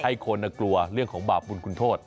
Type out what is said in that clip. ให้คนกลัวเรื่องของบาปบุญคุณโทษ